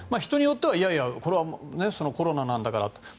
人によってはいやいや、これはコロナなんだからと。